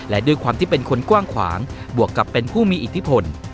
และด้วยความที่เป็นคนกว้างขวางบวกกับเป็นผู้มีอิทธิพล